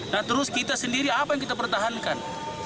nah terus kita sendiri apa yang kita pertahankan